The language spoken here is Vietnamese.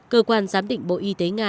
cơ quan giám định bộ y tế nga